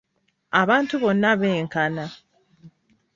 Abantu bonna benkana.